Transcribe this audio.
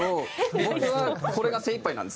僕はこれが精いっぱいなんですけど。